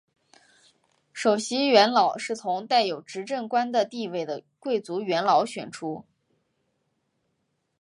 首席元老是从带有执政官的地位的贵族元老选出。